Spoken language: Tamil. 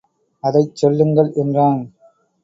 அதைச் சொல்லுங்கள் என்றான்.